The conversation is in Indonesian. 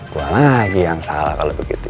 gua lagi yang salah kalo begitu